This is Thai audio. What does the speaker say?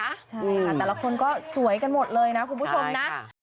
ใช่ค่ะแต่ละคนก็สวยกันหมดเลยนะคุณผู้ชมนะ